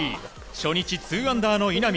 初日２アンダーの稲見。